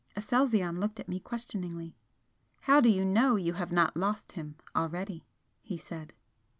Aselzion looked at me questioningly. "How do you know you have not lost him already?" he said.